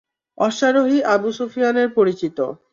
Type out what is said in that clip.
অশ্বারোহী আবু সুফিয়ানের পরিচিত।